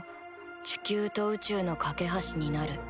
地球と宇宙の懸け橋になる。